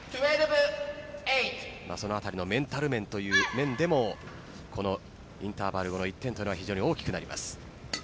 そのあたりのメンタル面という面でもインターバル後の１点というのが非常に大きくなります。